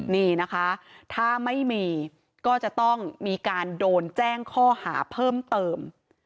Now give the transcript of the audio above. นี่นะคะถ้าไม่มีก็จะต้องมีการโดนแจ้งข้อหาเพิ่มเติม